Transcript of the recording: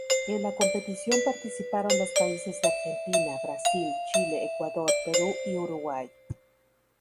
En la competición participaron los países de Argentina, Brasil, Chile, Ecuador, Perú y Uruguay.